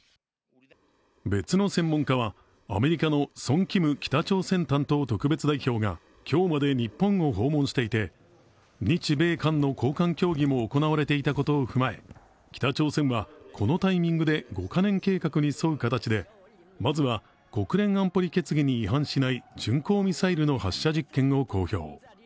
別の専門家は、アメリカのソン・キム北朝鮮担当特別代表が今日まで日本を訪問していて、日米韓の高官協議も行われていたことを踏まえ北朝鮮はこのタイミングで５カ年計画に沿う形で、まずは国連安保理決議に違反しない巡航ミサイルの発射実験を公表。